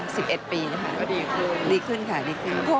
ก็ดีขึ้นค่ะดีขึ้นค่ะดีขึ้นค่ะ